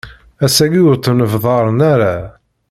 Ass-agi ur ttnebdaren ara.